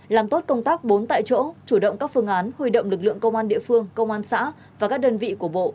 làm tốt công tác bốn tại chỗ chủ động các phương án huy động lực lượng công an địa phương công an xã và các đơn vị của bộ